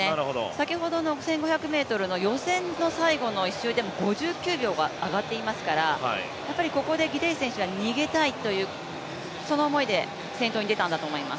先ほどの１５００ｍの予選の最後の１周でも５９秒が上がっていますから、ここでギデイ選手は逃げたいというその思いで先頭に出たんだと思います。